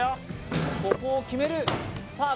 ここを決めるさあ